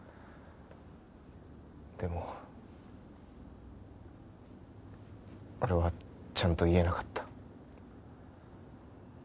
でも俺はちゃんと言えなかった。